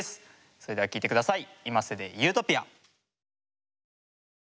それでは聴いて下さい。